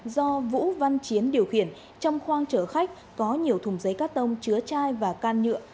do vũ văn chiến điều khiển trong khoang chở khách có nhiều thùng giấy cắt tông chứa chai và can nhựa